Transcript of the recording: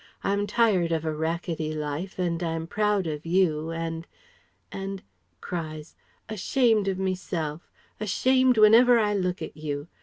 I'm tired of a rackety life and I'm proud of you and ... and... ... ashamed of meself ... ashamed whenever I look at you.